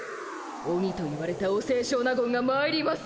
オニと言われたお清少納言がまいります。